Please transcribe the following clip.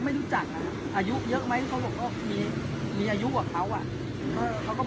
ตอนนี้กำหนังไปคุยของผู้สาวว่ามีคนละตบ